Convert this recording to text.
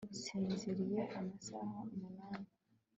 nsinziriye amasaha umunani